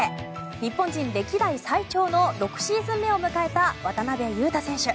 日本人歴代最長の６シーズン目を迎えた渡邊雄太選手。